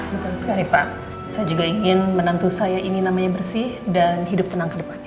betul sekali pak saya juga ingin menantu saya ini namanya bersih dan hidup tenang ke depan